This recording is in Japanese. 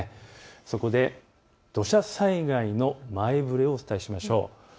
そこで土砂災害の前触れをお伝えしましょう。